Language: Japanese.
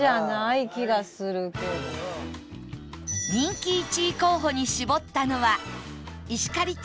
人気１位候補に絞ったのは石狩亭